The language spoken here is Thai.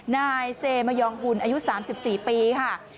นายเซมยองหุ่นอายุ๓๔ปีค่ะ